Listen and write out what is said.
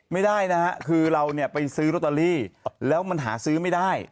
ไม่ได้นะฮะคือเราเนี่ยไปซื้อลอตเตอรี่แล้วมันหาซื้อไม่ได้